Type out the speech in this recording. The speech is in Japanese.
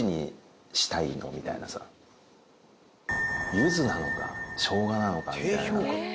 柚子なのかしょうがなのかみたいな。